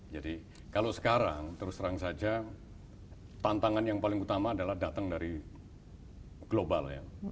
jadi kalau sekarang terus terang saja tantangan yang paling utama adalah datang dari global